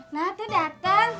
nah tuh dateng